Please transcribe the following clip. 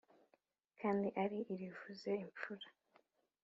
kandi ari irivuze imfura.